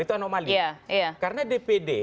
itu anomali karena dpd